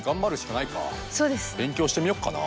勉強してみよっかな。